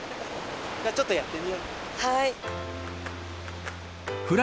じゃあちょっとやってみようと思います。